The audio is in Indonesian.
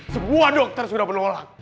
semua dokter sudah menolak